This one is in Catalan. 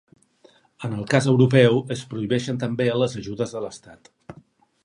En el cas europeu es prohibeixen també les ajudes de l'estat.